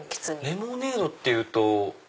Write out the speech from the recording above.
レモネードっていうと。